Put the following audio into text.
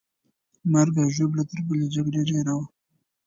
مرګ او ژوبله تر بلې جګړې ډېره وه.